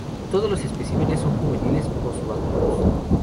Todos los especímenes son juveniles o subadultos.